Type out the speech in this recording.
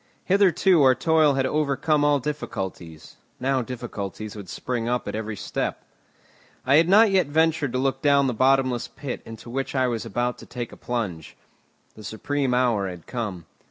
Hitherto our toil had overcome all difficulties, now difficulties would spring up at every step. I had not yet ventured to look down the bottomless pit into which I was about to take a plunge. The supreme hour had come.